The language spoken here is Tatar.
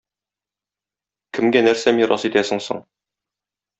Кемгә нәрсә мирас итәсең соң